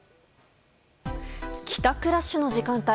帰宅ラッシュの時間帯